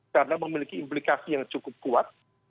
karena memiliki implikasi yang cukup kuat